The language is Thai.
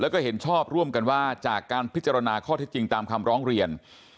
แล้วก็เห็นชอบร่วมกันว่าจากการพิจารณาข้อเท็จจริงตามคำร้องเรียน